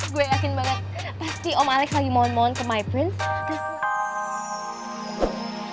gue yakin banget pasti om alex lagi mohon mohon ke my prince